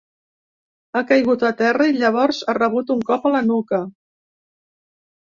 Ha caigut a terra i llavors ha rebut un cop a la nuca.